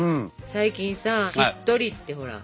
最近さ「しっとり」ってほら。